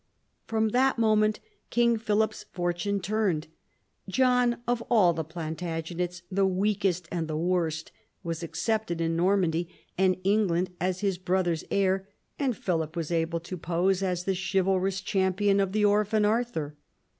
From that moment King Philip's fortune turned. John, of all the Plantagenets the weakest and the worst, was accepted in Normandy and England as his brother's heir, and Philip was able to pose as the chivalrous champion of the orphan Arthur.